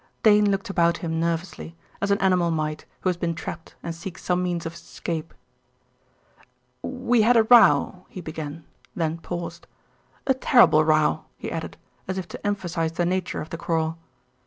Dane looked about him nervously, as an animal might who has been trapped and seeks some means of escape. "We had a row," he began, then paused; "a terrible row," he added, as if to emphasise the nature of the quarrel.